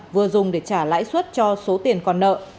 vừa dùng để trả lãi suất cho số tiền còn nợ